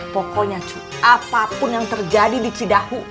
pokoknya apapun yang terjadi di cidahu